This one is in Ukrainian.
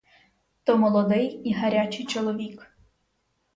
То молодий і гарячий чоловік.